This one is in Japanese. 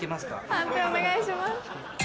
判定お願いします。